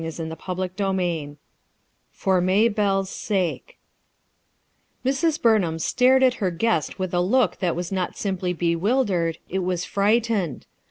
CHAPTER XVI FOR MAYBELLE J S SAKE MRS, BURNHAM stared at her guest with a look that was not simply bewildered, it was frightened.